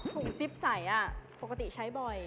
ถุงซิปใสปกติใช้บ่อย